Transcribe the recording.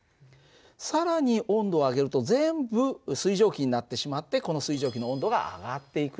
更に温度を上げると全部水蒸気になってしまってこの水蒸気の温度が上がっていくと。